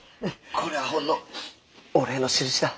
これはほんのお礼のしるしだ。